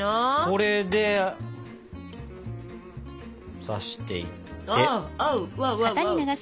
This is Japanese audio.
これで刺していって。